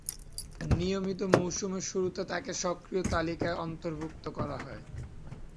নিয়মিত মৌসুমের শুরুতে তাঁকে সক্রিয় তালিকায় অন্তর্ভূক্ত করা হয়।